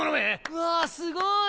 うわぁすごい！